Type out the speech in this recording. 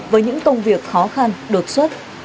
với những công việc khó khăn đột xuất